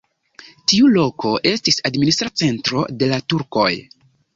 Tiu loko estis administra centro de la turkoj.